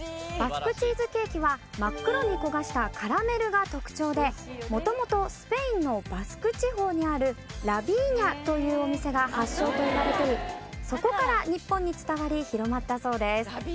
バスクチーズケーキは真っ黒に焦がしたカラメルが特徴で元々スペインのバスク地方にあるラ・ヴィーニャというお店が発祥といわれておりそこから日本に伝わり広まったそうです。